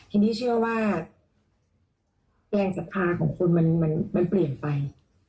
ทีนี้เชื่อว่าแรงศรัทธาของคนมันเปลี่ยนไป